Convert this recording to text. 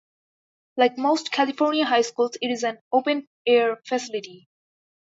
Like most California high schools, it is an open-air facility.